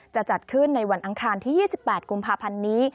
จะจัดขึ้นในวันอังคารที่๒๘กุมภาพันธ์นี้